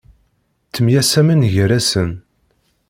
Ttemyasamen gar-asen.